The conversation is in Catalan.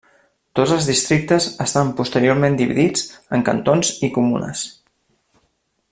Tots els districtes estan posteriorment dividits en cantons i comunes.